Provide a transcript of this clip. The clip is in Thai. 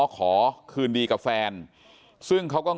สวัสดีครับทุกคน